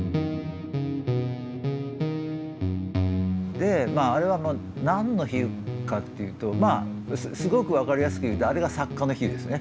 でまああれは何の比喩かっていうとまあすごく分かりやすく言うとあれが作家の比喩ですね。